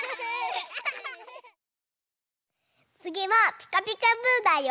つぎは「ピカピカブ！」だよ！